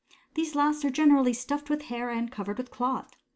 These last are generally stuffed with hair, and covered with cloth.